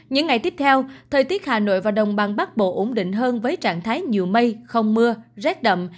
những ngày tiếp theo thời tiết hà nội và đồng bằng bắc bộ ổn định hơn với trạng thái nhiều mây không mưa rét đậm